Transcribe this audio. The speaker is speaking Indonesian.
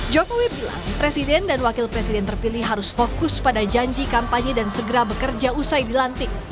jokowi bilang presiden dan wakil presiden terpilih harus fokus pada janji kampanye dan segera bekerja usai dilantik